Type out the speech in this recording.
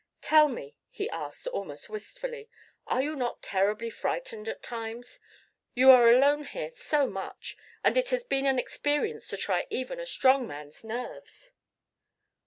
"Tell me," he asked almost wistfully, "are you not terribly frightened at times? You are alone here so much. And it has been an experience to try even a strong man's nerves."